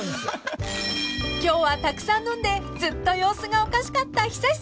［今日はたくさん飲んでずっと様子がおかしかったＨＩＳＡＳＨＩさん］